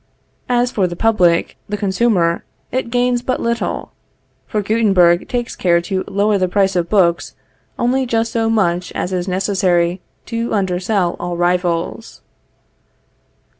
As for the public, the consumer, it gains but little, for Guttenberg takes care to lower the price of books only just so much as is necessary to undersell all rivals.